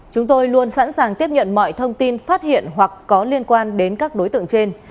chúng tôi luôn sẵn sàng tiếp nhận mọi thông tin phát hiện hoặc có liên quan đến các đối tượng trên